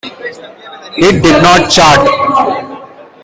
It did not chart.